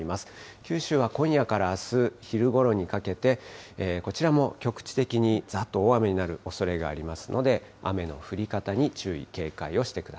九州は今夜からあす昼ごろにかけて、こちらも局地的にざっと大雨になるおそれがありますので、雨の降り方に注意、警戒をしてくだ